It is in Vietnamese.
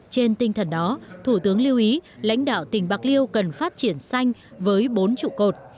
trên tinh thần đó thủ tướng lưu ý lãnh đạo tỉnh bạc liêu cần phát triển xanh với bốn trụ cột